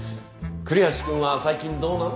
栗橋くんは最近どうなの？